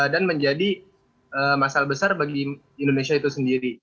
dan menjadi masalah besar bagi indonesia itu sendiri